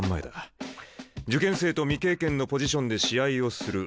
「受験生と未経験のポジションで試合をする」。